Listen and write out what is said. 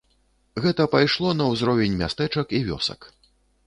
Гэта пайшло на ўзровень мястэчак і вёсак.